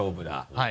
はい。